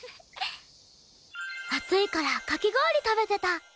暑いからかき氷食べてた。